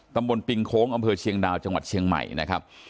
ปิงโค้งอำเภอเชียงดาวจังหวัดเชียงใหม่นะครับ